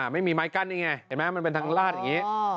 ไม่มีไม้กั้นนี่ไงเห็นไหมมันเป็นทางลาดอย่างนี้